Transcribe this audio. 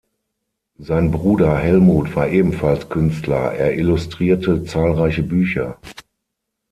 Sein Bruder Helmuth war ebenfalls Künstler, er illustrierte zahlreiche Bücher.